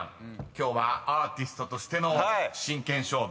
今日はアーティストとしての真剣勝負］